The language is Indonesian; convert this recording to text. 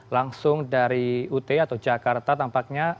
langsung dari ut atau jakarta tampaknya